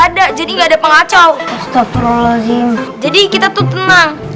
ada jadi nggak ada pengacau jadi kita tuh tenang